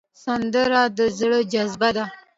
سندره د زړه جذبه ده